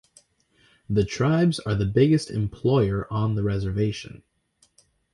The tribes are the biggest employer on the reservation.